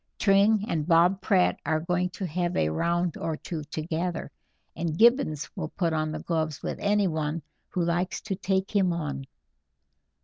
Tring and Bob Pratt are going to have a round or two together, and Gibbons will put on the gloves with anyone who likes to take him on."